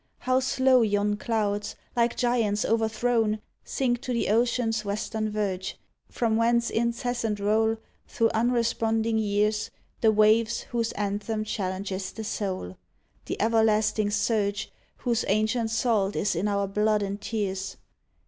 How slow Yon clouds, like giants overthrown Sink to the ocean's western verge, From whence incessant roll Thro unresponding years The waves whose anthem challenges the soul — The everlasting surge Whose ancient salt is in our blood and tears.